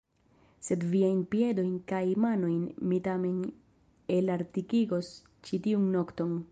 Sed viajn piedojn kaj manojn mi tamen elartikigos ĉi tiun nokton!